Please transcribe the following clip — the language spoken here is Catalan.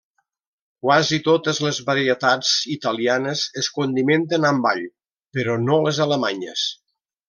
Quasi totes les varietats italianes es condimenten amb all, però no les alemanyes.